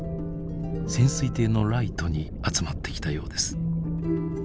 潜水艇のライトに集まってきたようです。